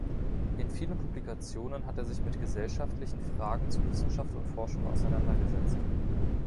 In vielen Publikationen hat er sich mit gesellschaftlichen Fragen zu Wissenschaft und Forschung auseinandergesetzt.